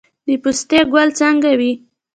د پستې ګل څنګه وي؟